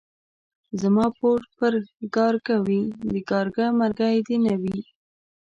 زما پور دي پر کارگه وي ،د کارگه مرگى دي نه وي.